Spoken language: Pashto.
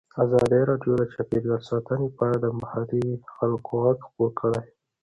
ازادي راډیو د چاپیریال ساتنه په اړه د محلي خلکو غږ خپور کړی.